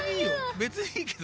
べつにいいけど。